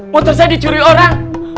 motor saya dicuri orang